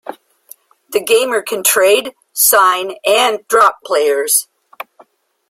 The gamer can trade, sign, and drop players.